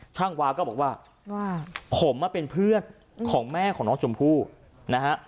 วาก็บอกว่าผมเป็นเพื่อนของแม่ของน้องชมพู่นะฮะ